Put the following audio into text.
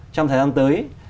trong thời gian tới